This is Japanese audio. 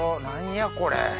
何やこれ！